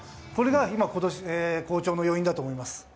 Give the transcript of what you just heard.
これが今年、好調の要因だと思います。